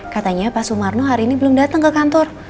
katanya pak sumarno hari ini belum datang ke kantor